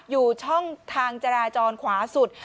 อยู่ช่องทางจราจรขวาสุด